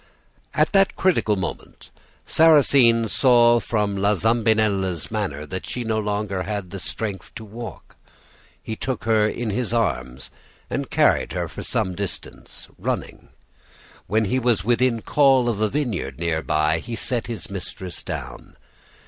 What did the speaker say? At that critical moment Sarrasine saw from La Zambinella's manner that she no longer had strength to walk; he took her in his arms and carried her for some distance, running. When he was within call of a vineyard near by, he set his mistress down.